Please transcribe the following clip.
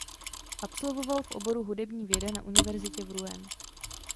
Absolvoval v oboru hudební věda na Univerzitě v Rouen.